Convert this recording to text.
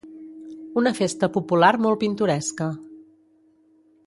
Una festa popular molt pintoresca.